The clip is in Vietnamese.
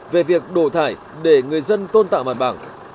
về việc đổ thải để người dân tôn tạo bản bảng